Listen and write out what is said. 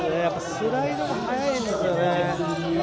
スライドが速いんですかね。